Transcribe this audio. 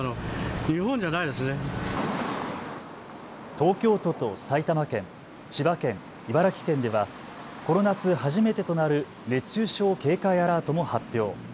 東京都と埼玉県、千葉県、茨城県ではこの夏初めてとなる熱中症警戒アラートも発表。